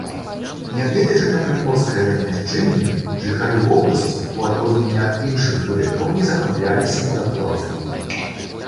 Нягледзячы на прыморскае размяшчэнне жыхары вобласці, у адрозненне ад іншых грэкаў, не захапляліся мараплаўствам.